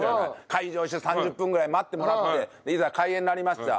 開場して３０分ぐらい待ってもらっていざ開演になりました。